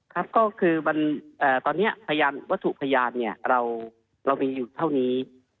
ครับก็คือตอนนี้วัตถุพยานเรามีอยู่เท่านี้